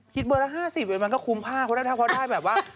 เบอร์ละ๕๐มันก็คุ้มค่าเพราะได้ถ้าเขาได้แบบว่า